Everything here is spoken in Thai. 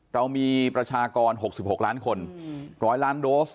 เรามีประชากร๖๖ล้านคน๑๐๐ล้านโดส